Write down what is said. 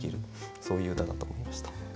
そういう歌だと思いました。